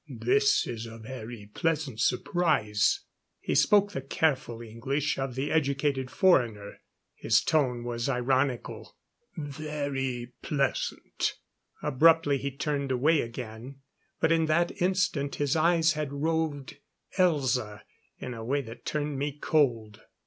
"This is a very pleasant surprise " He spoke the careful English of the educated foreigner. His tone was ironical. "Very pleasant " Abruptly he turned away again. But in that instant, his eyes had roved Elza in a way that turned me cold.